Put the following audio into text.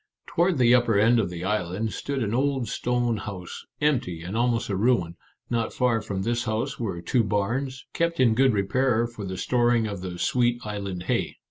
Toward the upper end of the island stood an old stone house, empty and almost a ruin ; not far from this house were two barns, kept in good repair for the storing of the sweet island hay.